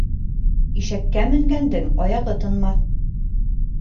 Ишәккә менгәндең аяғы тынмаҫ.